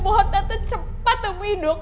bagaimana aku buat balik